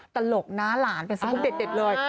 ตลกนะหลานเป็นสกุลเด็ดเลย